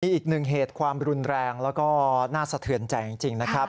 อีกหนึ่งเหตุความรุนแรงแล้วก็น่าสะเทือนใจจริงนะครับ